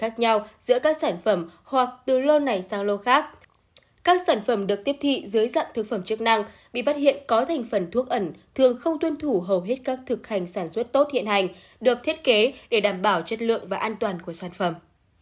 các sản phẩm được tiếp thị dưới dạng thực phẩm chức năng bị phát hiện có thành phần thuốc ẩn thường không tuân thủ hầu hết các thực hành sản xuất tốt hiện hành được thiết kế để đảm bảo chất lượng và an toàn của sản phẩm